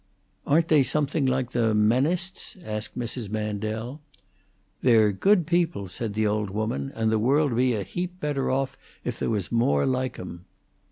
"Aren't they something like the Mennists?" asked Mrs. Mandel. "They're good people," said the old woman, "and the world 'd be a heap better off if there was more like 'em."